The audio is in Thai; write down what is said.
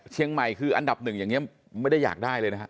เชียงใหม่คืออันดับหนึ่งอย่างนี้ไม่ได้อยากได้เลยนะฮะ